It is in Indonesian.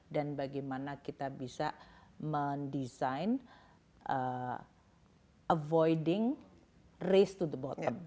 dan bagaimana kita bisa mendesain avoiding raise to the bottom